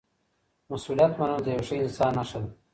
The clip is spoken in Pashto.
مسؤلیت منل د یو ښه انسان نښه ده.